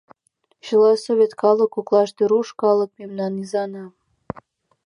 Чыла совет калык коклаште руш калык — мемнан изана.